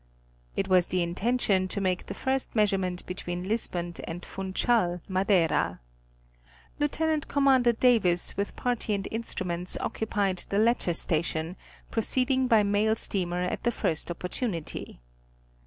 It was the intention to make the first measurement between Lisbon and Funchal, Madeira. Lieut. Com. Davis with party and instru ments occupied the latter station, proceeding by mail steamer at the first opportunity.